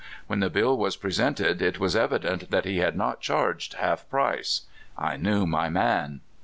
When the bill was presented, it was evident that he had not charged half price. I knew my man.